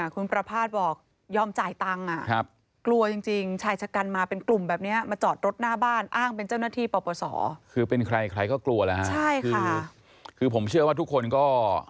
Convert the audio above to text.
คุณประพาทบอกยอมจ่ายตังค์กลัวจริงชายชะกันมาเป็นกลุ่มแบบนี้มาจอดรถหน้าบ้านอ้างเป็นเจ้าหน้าที่ปปศคือเป็นใครใครก็กลัวแล้วฮะใช่คือผมเชื่อว่าทุกคนก็